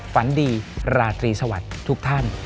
ฝันดีราตรีสวัสดิ์ทุกท่าน